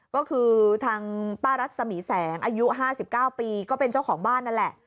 ก็คือทางป้ารัศมีแสงอายุ๕๙ปีก็เป็นเจ้าของบ้านนั่นแหละ